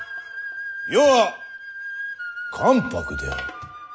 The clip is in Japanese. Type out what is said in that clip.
余は関白である。